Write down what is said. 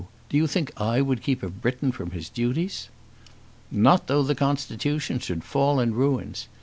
Do you think I would keep a Briton from his duties?" "Not though the constitution should fall in ruins.